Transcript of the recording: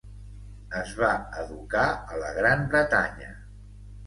Es va educar a la Gran Bretanya.